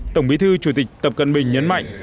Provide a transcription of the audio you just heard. tổng bí thư chủ tịch tập cận bình nhấn mạnh